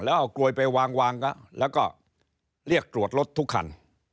แล้วเอากลวยไปวางวางแล้วก็เรียกตรวจรถทุกคัน